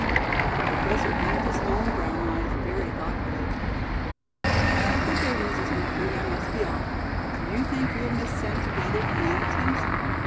The Professor blinked his own brown eyes very thoughtfully. "Well, good day, Mrs. Murphy, I must be off. Do you think you and Miss Sen together can manage things?"